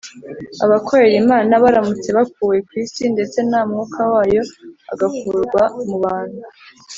abakorera imana baramutse bakuwe ku isi ndetse na mwuka wayo agakurwa mu bantu